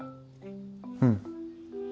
うん。